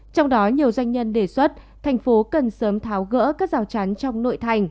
trong đó nhiều doanh nhân đề xuất thành phố cần sớm tháo gỡ các rào chắn trong nội thành